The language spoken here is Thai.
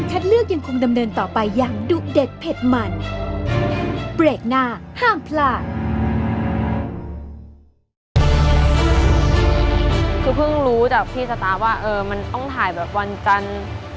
คือเพิ่งรู้จากพี่สตาร์ว่ามันต้องถ่ายแบบวันจันทร์